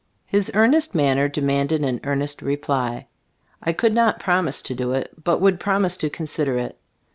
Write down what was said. His earnest manner demanded an earnest reply. I could not promise to do it, but would promise to consider it.